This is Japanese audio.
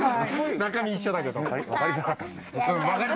中身は一緒だけど。